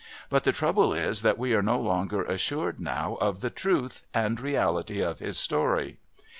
But the trouble is that we are no longer assured now of the truth and reality of his story.